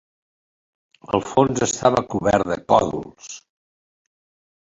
El fons estava cobert de còdols.